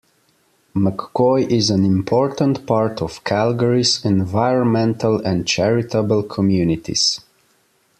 McCoy is an important part of Calgary's environmental and charitable communities.